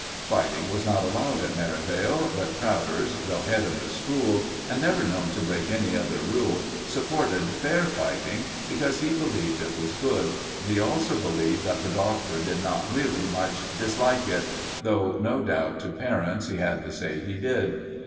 Fighting was not allowed at Merivale, but Travers, though head of the school, and never known to break any other rule, supported fair fighting, because he believed it was good; and he also believed that the Doctor did not really much dislike it, though no doubt to parents he had to say he did.